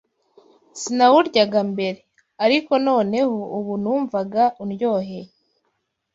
Sinawuryaga mbere; ariko noneho ubu numvaga undyoheye